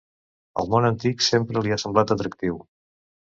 El món antic sempre li ha semblat atractiu.